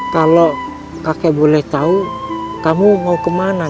kalau kakek boleh tahu kamu mau ke mana nak